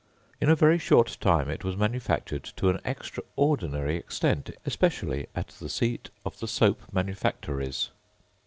In a very short time it was manufactured to an extraordinary extent, especially at the seat of the soap manufactories.